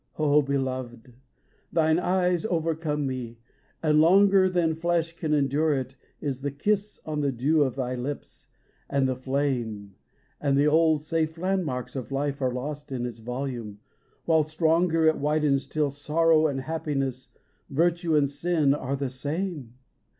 Oh, Beloved ! thine eyes over come me, and longer Than flesh can endure is the kiss on the dew of thy lips and the flame, And the old safe landmarks of life are lost in its volume, while stronger It widens till sorrow and happiness, virtue and sin, are the same